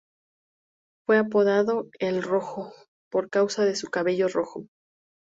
Fue apodado "el Rojo" por causa de su cabello rojo.